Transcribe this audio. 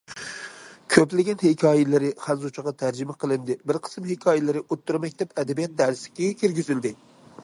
كۆپلىگەن ھېكايىلىرى خەنزۇچىغا تەرجىمە قىلىندى، بىر قىسىم ھېكايىلىرى ئوتتۇرا مەكتەپ ئەدەبىيات دەرسلىكىگە كىرگۈزۈلدى.